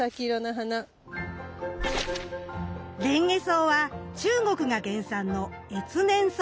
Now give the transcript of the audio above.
レンゲソウは中国が原産の越年草。